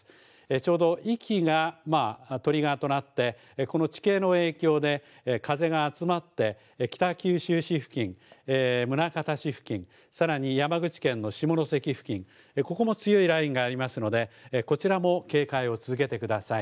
ちょうどいきがトリガーとなって、この地形の影響で、風が集まって、北九州市付近、宗像市付近、さらに山口県の下関付近、ここも強いラインがありますので、こちらも警戒を続けてください。